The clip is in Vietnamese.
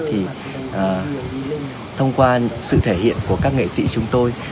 thì thông qua sự thể hiện của các nghệ sĩ chúng tôi